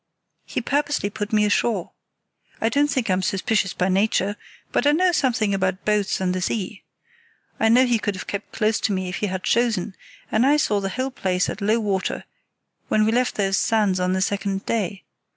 "He purposely put me ashore. I don't think I'm suspicious by nature, but I know something about boats and the sea. I know he could have kept close to me if he had chosen, and I saw the whole place at low water when we left those sands on the second day.